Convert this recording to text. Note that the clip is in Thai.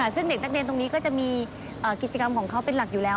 ซึ่งเด็กนักเรียนตรงนี้ก็จะมีกิจกรรมของเขาเป็นหลักอยู่แล้ว